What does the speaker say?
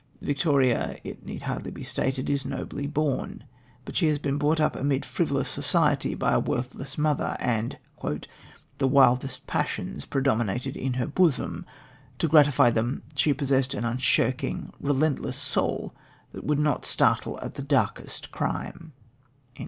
Victoria, it need hardly be stated, is nobly born, but she has been brought up amid frivolous society by a worthless mother, and: "The wildest passions predominated in her bosom; to gratify them she possessed an unshrinking, relentless soul that would not startle at the darkest crime."